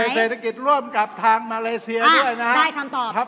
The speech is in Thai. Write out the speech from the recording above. เศรษฐกิจร่วมกับทางมาเลเซียด้วยนะครับ